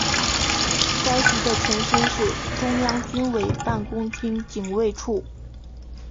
该局的前身是中央军委办公厅警卫处。